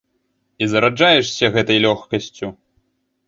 І зараджаешся гэтай лёгкасцю.